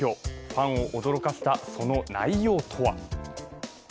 ファンを驚かせた、その内容とは。